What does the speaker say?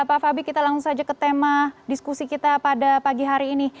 pak fabi kita langsung saja ke tema diskusi kita pada pagi hari ini